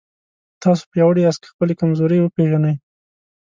تاسو پیاوړي یاست که خپلې کمزورۍ وپېژنئ.